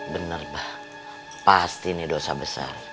bener pak pasti ini dosa besar